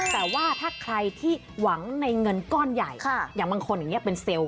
แต่ว่าถ้าใครที่หวังในเงินก้อนใหญ่อย่างบางคนอย่างนี้เป็นเซลล์